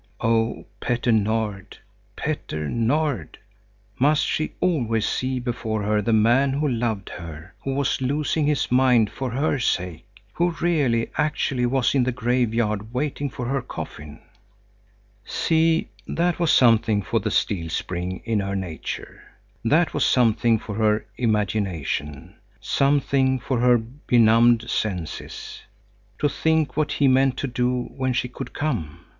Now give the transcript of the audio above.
Oh, Petter Nord, Petter Nord! Must she always see before her the man who loved her, who was losing his mind for her sake, who really, actually was in the graveyard waiting for her coffin. See, that was something for the steel spring in her nature. That was something for her imagination, something for her benumbed senses. To think what he meant to do when she should come!